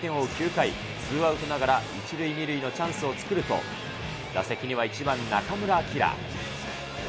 １点を追う９回、ツーアウトながら１塁２塁のチャンスを作ると、打席には１番中村晃。